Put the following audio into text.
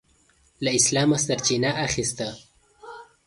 له اسلامه سرچینه اخیسته.